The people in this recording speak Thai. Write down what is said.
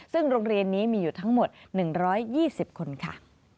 ซึ่งโรงเรียนนี้มีอยู่ทั้งหมด๑๒๐คนค่ะ